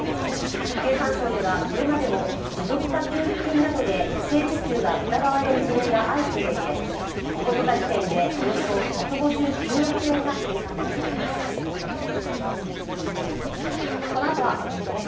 経産省ではこれまでも持続化給付金などで不正受給が疑われる事例が相次いでいて９日時点で、およそ１５９億円が返還されています。